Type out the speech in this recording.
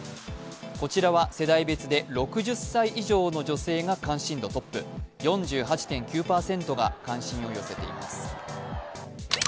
こちらは世代別で６０歳以上の女性が関心度トップ、４８．９％が関心を寄せています。